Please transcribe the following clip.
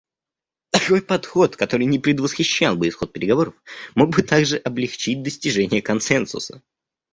Такой подход, который не предвосхищал бы исход переговоров, мог бы также облегчить достижение консенсуса.